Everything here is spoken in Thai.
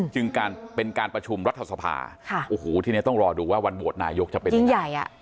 การเป็นการประชุมรัฐสภาโอ้โหทีนี้ต้องรอดูว่าวันโหวตนายกจะเป็นจริง